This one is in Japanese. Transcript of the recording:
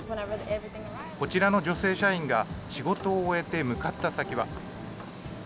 こちらの女性社員が仕事を終えて向かった先は。